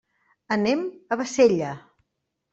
Anem a Bassella.